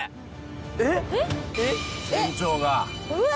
えっ？